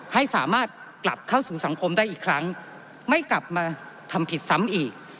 ให้สามารถกลับเข้าสู่สังคมได้อีกครั้งไม่กลับมาทำผิดซ้ำอีก